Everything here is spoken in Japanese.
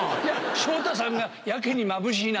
昇太さんがやけにまぶしいな。